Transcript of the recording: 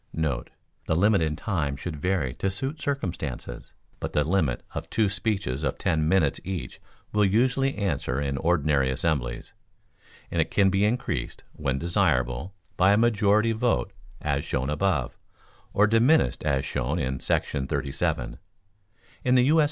* [The limit in time should vary to suit circumstances, but the limit of two speeches of ten minutes each will usually answer in ordinary assemblies, and it can be increased, when desirable, by a majority vote as shown above, or diminished as shown in § 37. In the U. S.